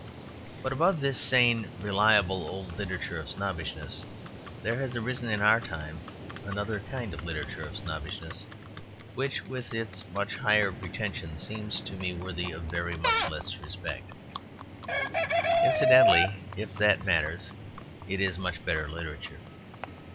But above this sane reliable old literature of snobbishness there has arisen in our time another kind of literature of snobbishness which, with its much higher pretensions, seems to me worthy of very much less respect. Incidentally (if that matters), it is much better literature.